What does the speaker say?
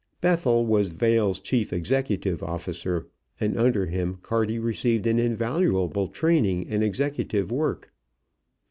Bethell was Vail's chief executive officer, and under him Carty received an invaluable training in executive work.